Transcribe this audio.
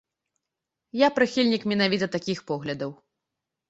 Я прыхільнік менавіта такіх поглядаў.